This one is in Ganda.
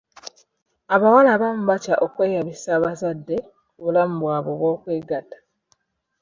Abawala abamu batya okweyabisa abazadde ku bulamu bwabwe obw'okwegatta.